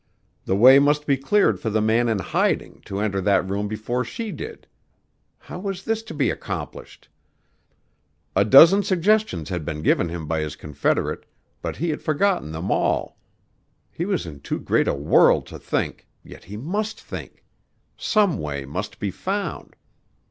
The way must be cleared for the man in hiding to enter that room before she did. How was this to be accomplished? A dozen suggestions had been given him by his confederate, but he had forgotten them all. He was in too great a whirl to think, yet he must think; some way must be found.